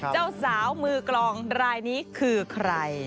เจ้าสาวมือกลองรายนี้คือใคร